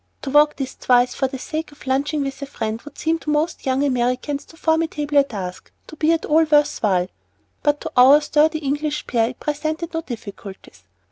To walk this twice for the sake of lunching with a friend would seem to most young Americans too formidable a task to be at all worth while, but to our sturdy English pair it presented no difficulties.